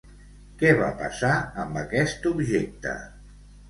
Què va passar amb aquest objecte?